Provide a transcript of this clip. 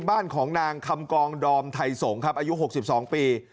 บ้านของนางคำกองดอมไทยสงครับอายุ๖๒ปี